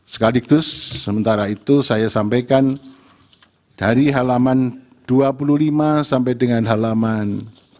sekaligus sementara itu saya sampaikan dari halaman dua puluh lima sampai dengan halaman